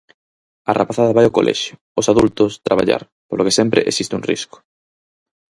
A rapazada vai o colexio, os adultos, traballar, polo que sempre existe un risco.